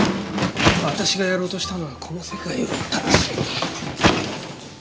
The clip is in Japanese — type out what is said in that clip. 私がやろうとしたのはこの世界を正しい。